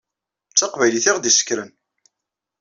D taqbaylit i aɣ-d-issekkren.